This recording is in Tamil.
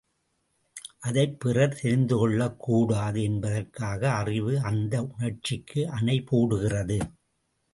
அதைப் பிறர் தெரிந்துகொள்ளக் கூடாது என்பதற்காக அறிவு அந்த உணர்ச்சிக்கு அணை போடுகிறது.